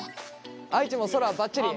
愛知も空ばっちり？